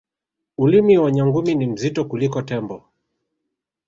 ulimi wa nyangumi ni mzito kuliko tembo